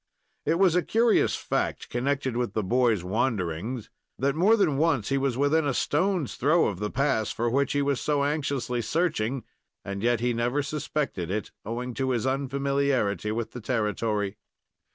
It was a curious fact connected with the boy's wanderings that more than once he was within a stone's throw of the pass for which he was so anxiously searching; and yet he never suspected it, owing to his unfamiliarity with the territory.